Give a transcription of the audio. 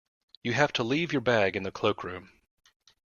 You have to leave your bag in the cloakroom